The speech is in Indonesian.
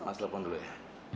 mas telepon dulu ya